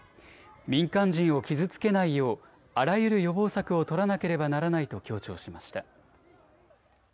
民間人を傷つけないようあらゆる予防策を取らなければならないと強調しました。